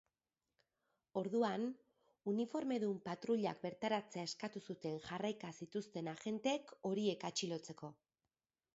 Orduan, uniformedun patruilak bertaratzea eskatu zuten jarraika zituzten agenteek, horiek atxilotzeko.